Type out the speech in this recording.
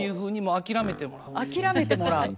諦めてもらう。